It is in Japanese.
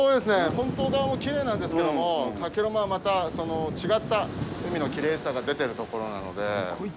本島側もきれいなんですけども加計呂麻はまた違った海のきれいさが出ているところなので。